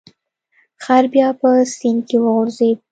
خر بیا په سیند کې وغورځید.